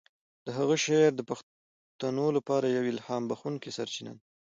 د هغه شعرونه د پښتنو لپاره یوه الهام بخښونکی سرچینه ده.